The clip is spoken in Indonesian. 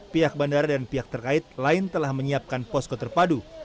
pihak bandara dan pihak terkait lain telah menyiapkan pos kota padu